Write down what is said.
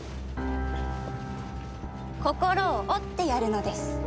心を折ってやるのです。